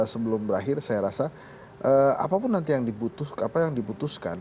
sebelum berakhir saya rasa apapun nanti yang diputuskan